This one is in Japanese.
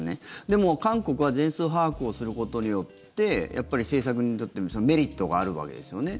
でも、韓国は全数把握をすることによって政策にとってもメリットがあるわけですよね。